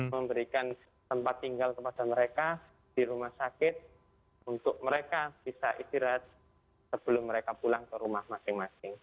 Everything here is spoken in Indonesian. memberikan tempat tinggal kepada mereka di rumah sakit untuk mereka bisa istirahat sebelum mereka pulang ke rumah masing masing